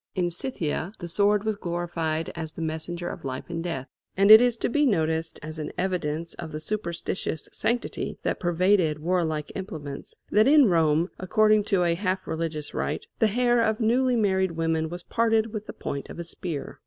In Scythia the sword was glorified as the messenger of life and death. And it is to be noticed as an evidence of the superstitious sanctity that pervaded warlike implements, that in Rome, according to a half religious rite, the hair of newly married women was parted with the point of a spear.